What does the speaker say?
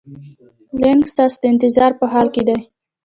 لینک ستاسو د انتظار په حال کې دی.